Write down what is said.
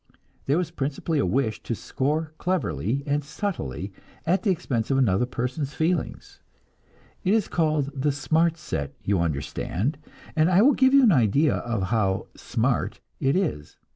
There was principally a wish to score cleverly and subtly at the expense of another person's feelings. It is called the "smart set," you understand, and I will give you an idea of how "smart" it is.